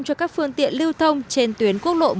cho các phương tiện lưu thông trên tuyến quốc lộ một